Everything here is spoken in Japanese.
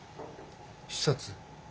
視察？